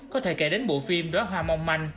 có thể kể đến bộ phim đóa hoa mong manh